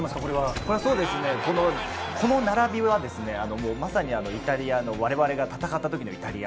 この並びはですね、まさにイタリアの、我々が戦った時のイタリア。